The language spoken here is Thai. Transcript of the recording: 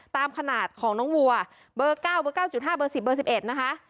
ตามขนาดของน้องวัวเบอร์เก้าเบอร์เก้าจุดห้าเบอร์สิบเบอร์สิบเอ็ดนะคะ